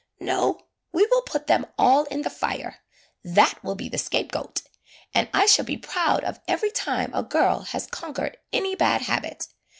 "No, we will put them all in the fire; that will be the scapegoat. And I shall be proud of every time a girl has conquered any bad habit.